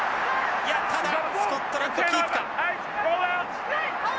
いやただスコットランドキープか。